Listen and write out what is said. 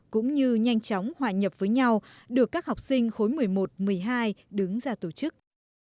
cũng như nhanh chóng hòa nhập với nhau được các học sinh khối một mươi một một mươi hai đứng ra tổ chức